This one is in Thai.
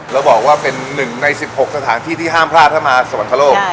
แล้วบอกว่าเป็น๑ใน๑๖สถานที่ที่ห้ามพลาดถ้ามาสวรรคโลก